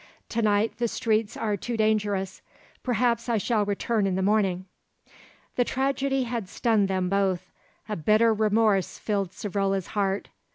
To night the streets are too dangerous. Perhaps I shall return in the morning." The tragedy had stunned them both. A bitter remorse filled Savrola's heart.